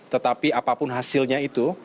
tetapi apapun hasilnya itu